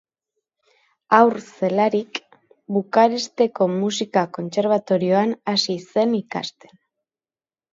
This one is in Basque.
Haur zelarik, Bukaresteko Musika Kontserbatorioan hasi zen ikasten.